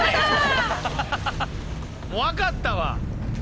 「もうわかったわ！」